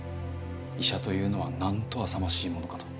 医者というのはなんとあさましいものかと。